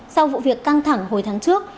sau vụ việc căng thẳng hồi tháng trước